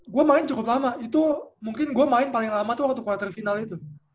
gue main cukup lama itu mungkin gue main paling lama tuh waktu kuartal final itu